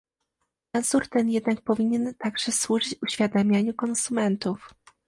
Nadzór ten jednak powinien także służyć uświadamianiu konsumentów